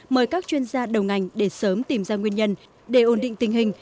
mời các chuyên gia đầu ngành để sớm tìm ra nguyên nhân để ổn định tình hình